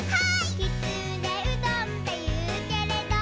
「きつねうどんっていうけれど」